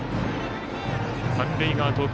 三塁側投球